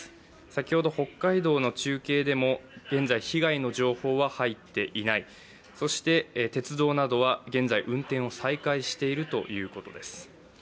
先ほど北海道の中継でも、現在被害の情報は入っていない、そして鉄道などは現在運転を再開しているということです。